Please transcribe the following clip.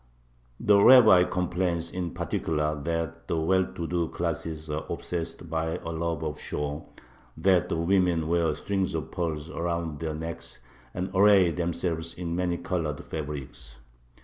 The rabbi complains in particular that the well to do classes are obsessed by a love of show; that the women wear strings of pearls around their necks, and array themselves in many colored fabrics.